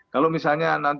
kalau misalnya nanti